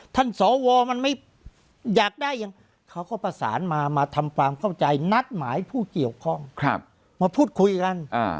สวมันไม่อยากได้อย่างเขาก็ประสานมามาทำความเข้าใจนัดหมายผู้เกี่ยวข้องมาพูดคุยกัน